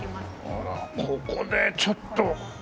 あらここでちょっと。